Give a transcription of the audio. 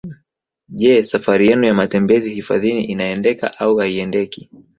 Je safari yenu ya matembezi hifadhini inaendeka au haiendeki